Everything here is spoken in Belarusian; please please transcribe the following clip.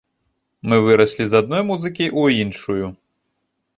Мы выраслі з адной музыкі ў іншую.